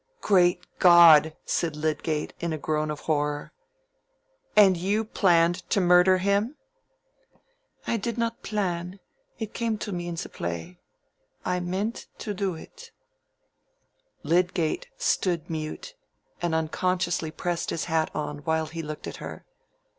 "Great God!" said Lydgate, in a groan of horror. "And you planned to murder him?" "I did not plan: it came to me in the play—I meant to do it." Lydgate stood mute, and unconsciously pressed his hat on while he looked at her.